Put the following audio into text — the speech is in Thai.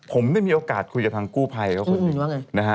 ผมได้มีโอกาสคุยกับทางกู้ภัยก็คุณนี่